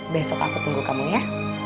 besok aku tunggu kamu ya